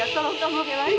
tolong kamu relai